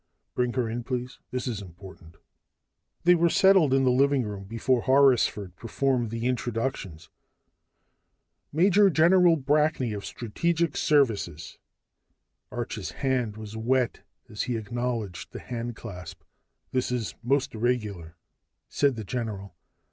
"Bring her in, please. This is important." They were settled in the living room before Horrisford performed the introductions. "Major General Brackney of Strategic Services." Arch's hand was wet as he acknowledged the handclasp. "This is most irregular," said the general.